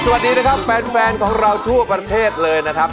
สวัสดีนะครับแฟนของเราทั่วประเทศเลยนะครับ